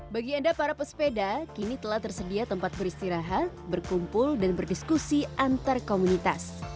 bagi anda para pesepeda kini telah tersedia tempat beristirahat berkumpul dan berdiskusi antar komunitas